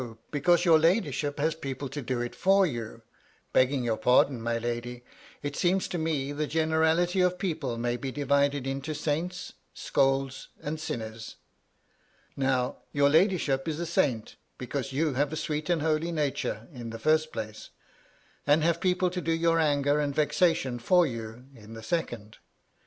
because your ladyship has people to do it for you. Begging your pardon, my lady, it seems to me the generality of people may be divided into saints, scolds, and sinners. Now, your ladyship is a saint, because you have a sweet and holy nature, in the first place ; and have people to do your anger and vexation for you, in the second place.